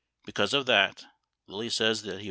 Because of that, Lilly says that he.